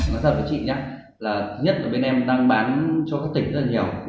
nói thật với chị nhé nhất là bên em đang bán cho các tỉnh rất nhiều